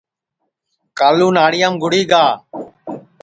کالو ناݪیام گُڑی گا